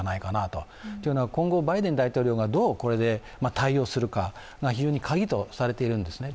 というのは今後、バイデン大統領がどうこれで対応するかが非常にカギとされているんですね。